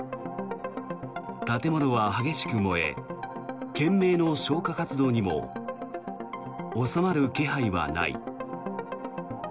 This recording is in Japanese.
建物は激しく燃え懸命の消火活動にも収まる気配はない。